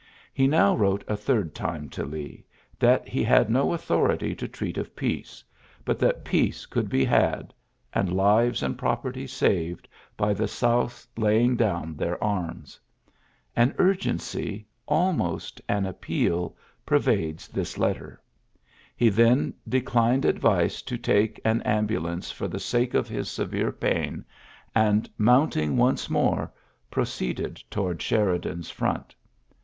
He now wrote a third time to Lee that he had no authority to treat of peace, but that peace could be liad, and lives and property saved, by the South's laying down their arms. An urgency, almost an appeal, pervades this letter. He then declined advice to take an ambulance for the sake of his iiorary i^oi ^ ^tM cv>« 124 TTLYSSES S. GEANT severe pain^ and^ mounting once more, proceeded toward Sheridan's front.